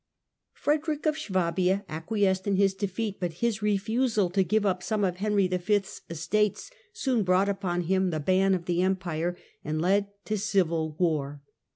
Frederick of Swabia acquiesced in his defeat, but his refusal to give up some of Henry V.'s estates soon brought upon him the ban of the Empire and led to civil war.